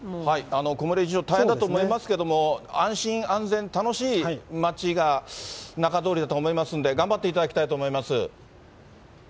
小牟礼理事長、大変だと思いますけど、安心安全楽しい街が中通りだと思いますので、頑張っていただきたいと思います。